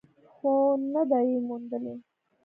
خو نه ده یې موندلې.